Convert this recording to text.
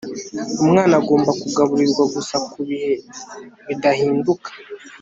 Umwana agomba kugaburirwa gusa ku bihe bidahinduka